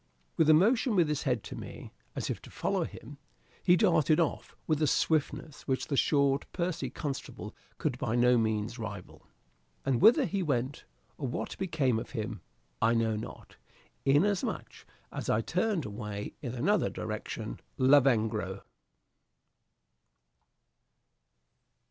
With a motion with his head to me, as if to follow him, he darted off with the swiftness which the short pursy constable could by no means rival. And whither he went, or what became of him, I know not, inasmuch as I turned away in another direction. "Lavengro."